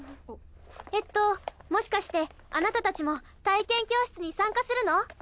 えっともしかしてあなたたちも体験教室に参加するの？